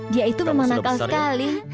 dia itu memang nakal sekali